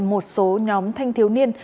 một số nhóm thanh thiếu niên